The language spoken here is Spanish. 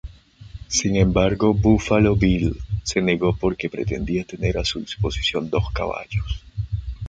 Sin embargo Buffalo Bill se negó porque pretendía tener a su disposición dos caballos.